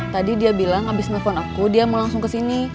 tadi dia bilang abis nelpon aku dia mau langsung kesini